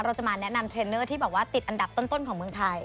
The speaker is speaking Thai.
เราจะมาแนะนำเทรนเนอร์ที่แบบว่าติดอันดับต้นของเมืองไทย